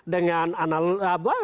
dengan cara berpikir kita